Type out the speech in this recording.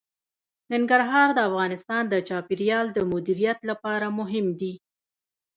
ننګرهار د افغانستان د چاپیریال د مدیریت لپاره مهم دي.